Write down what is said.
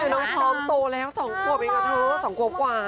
น้องพร้อมโตแล้ว๒ขวบเองค่ะเธอ๒ขวบกว่า